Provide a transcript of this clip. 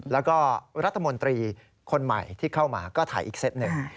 แล้วก็รัฐมนตรีคนใหม่ที่เข้ามาก็ถ่ายอีกเซตหนึ่ง